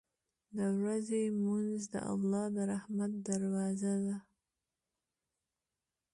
• د ورځې لمونځ د الله د رحمت دروازه ده.